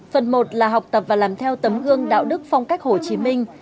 phần một là học tập và làm theo tấm gương đạo đức phong cách hồ chí minh